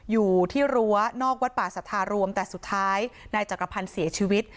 อยู่ที่รั้วนอกวัดป่าสัทธารวมแต่สุดท้ายนายจักรพันธ์เสียชีวิต